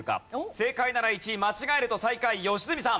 正解なら１位間違えると最下位良純さん。